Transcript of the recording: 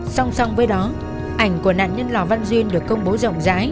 song song với đó ảnh của nạn nhân lò văn duyên được công bố rộng rãi